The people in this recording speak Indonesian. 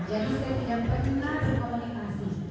jadi saya tidak pernah berkomunikasi